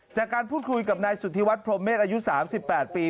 จากการพูดคุยกับนายสุธิวัฒพรมเมษอายุ๓๘ปี